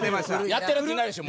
やってるヤツいないでしょ